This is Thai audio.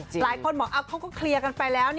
หลายคนบอกเขาก็เคลียร์กันไปแล้ว